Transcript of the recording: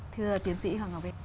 thưa tiến sĩ hoàng ngọc vy